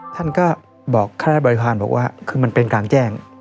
ท่านก็บอกคณะบริพาณบอกว่าคือมันเป็นกลางแจ้ง